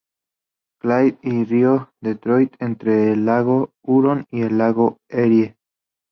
Clair y el río Detroit, entre el lago Hurón y el lago Erie.